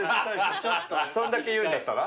そんだけ言うんだったら。